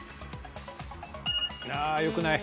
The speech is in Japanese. ああよくない。